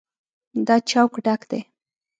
دا چوک ډک دی.